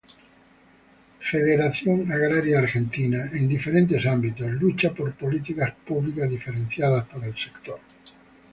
Federación Agraria Argentina, en diferentes ámbitos, lucha por políticas públicas diferenciadas para el sector.